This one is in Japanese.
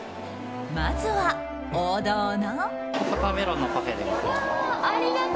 まずは、王道の。